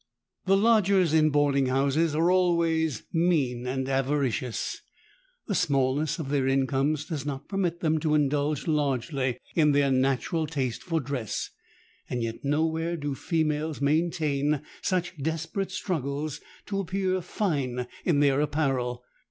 "The lodgers in boarding houses are always mean and avaricious. The smallness of their incomes does not permit them to indulge largely in their natural taste for dress; and yet nowhere do females maintain such desperate struggles to appear fine in their apparel.